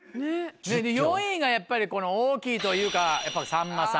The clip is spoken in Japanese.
４位がやっぱりこの大きいというかさんまさん。